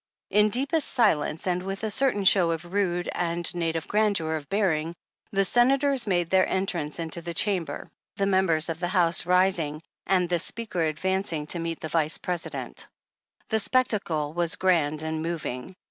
In deepest silence, and with a certain show of rude and native grandeur of bearing, the Senators made their entrance into the Chamber, the members of the House rising, and the Speaker advancing to meet the Vice President. f The spectacle was grand and moving.